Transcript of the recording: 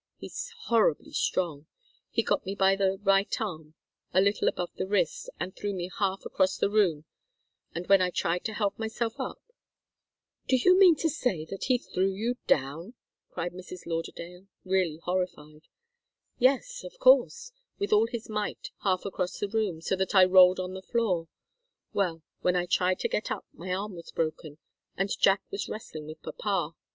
He's horribly strong. He got me by the right arm a little above the wrist, and threw me half across the room, and when I tried to help myself up " "Do you mean to say that he threw you down?" cried Mrs. Lauderdale, really horrified. "Yes of course! With all his might, half across the room, so that I rolled on the floor. Well, when I tried to get up, my arm was broken, and Jack was wrestling with papa.